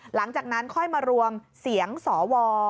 หลังจากนั้นค่อยมารวมเสียงสว